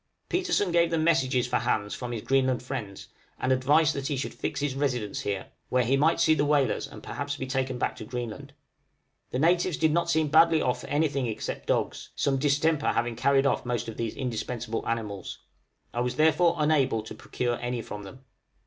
Petersen gave them messages for Hans from his Greenland friends, and advice that he should fix his residence here, where he might see the whalers and perhaps be taken back to Greenland. The natives did not seem to be badly off for anything except dogs, some distemper having carried off most of these indispensable animals. I was therefore unable to procure any from them.